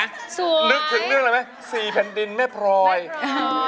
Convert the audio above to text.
อายุ๒๔ปีวันนี้บุ๋มนะคะ